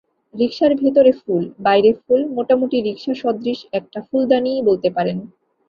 রিকশার ভেতরে ফুল, বাইরে ফুল, মোটামুটি রিকশাসদৃশ একটা ফুলদানিই বলতে পারেন।